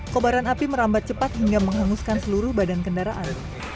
kobaran api merambat cepat hingga menghanguskan seluruh badan kendaraan